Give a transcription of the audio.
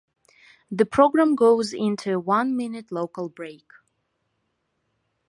The program goes into a one-minute local break.